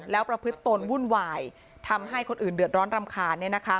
แล้วประพฤติตนวุ่นวายทำให้คนอื่นเดือดร้อนรำคาญ